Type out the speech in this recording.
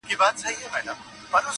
• ښکاري زرکه هم په نورو پسي ولاړه -